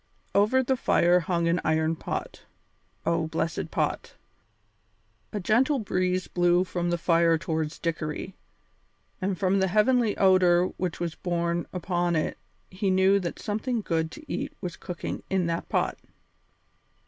Over the fire hung an iron pot. Oh, blessed pot! A gentle breeze blew from the fire towards Dickory, and from the heavenly odour which was borne upon it he knew that something good to eat was cooking in that pot.